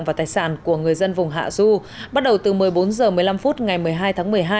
và tài sản của người dân vùng hạ du bắt đầu từ một mươi bốn h một mươi năm phút ngày một mươi hai tháng một mươi hai